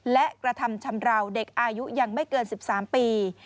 และกระทำชำราวเด็กอายุยังไม่เกิน๑๓ปี